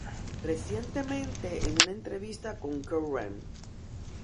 Recientemente en una entrevista con Kerrang!